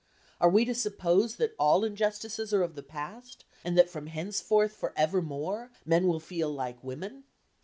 Are we to suppose that all injustices are of the past, and that from henceforth for evermore men will feel like women?